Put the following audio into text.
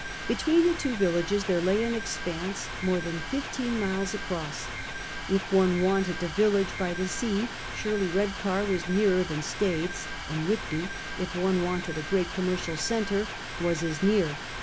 Between the two villages there lay an exj)anse more than fifteen miles across. If one wanted a village by the sea, surely Kedcar was nearer than Staitlies, and Whitby, if one wanted a great commercial centre, was as near.